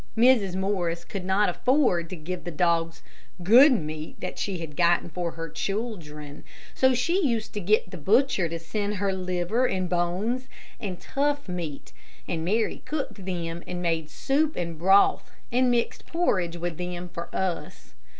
Mrs. Morris could not afford to give to the dogs good meat that she had gotten for her children, so she used to get the butcher to send her liver, and bones, and tough meat, and Mary cooked them, and made soup and broth, and mixed porridge with them for us.